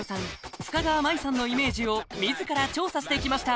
深川麻衣さんのイメージを自ら調査してきました